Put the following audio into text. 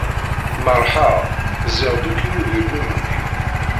Merrḥeɣ, zziɣ-d akk i ugelmim-nni.